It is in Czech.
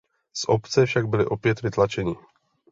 Z obce však byli opět vytlačeni.